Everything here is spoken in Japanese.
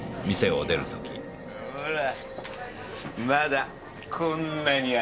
ほらまだこんなにあるんだ。